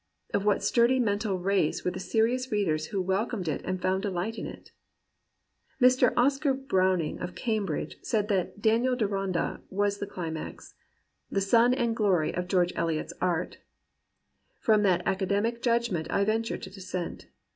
Of what sturdy mental race were the serious readers who welcomed it and found delight in it ? Mr. Oscar Browning of Cambridge said that Daniel Deronda was the climax, " the sun and glory 146 GEORGE ELIOT AND REAL WOMEN of George Eliot's art." From that academic judg ment I venture to dissent.